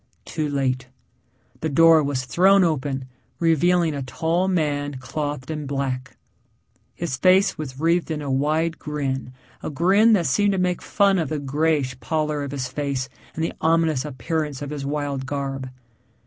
Too late. The door was thrown open revealing a tall man clothed in black. His face was wreathed in a wide grin a grin that seemed to make fun of the grayish pallor of his face and the ominous appearance of his wild garb.